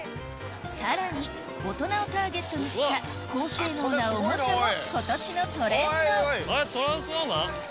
さらに大人をターゲットにした高性能なおもちゃも今年のトレンド『トランスフォーマー』？